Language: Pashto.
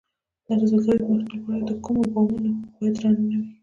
د زلزلې د مخنیوي لپاره د کورو بامونه باید درانه نه وي؟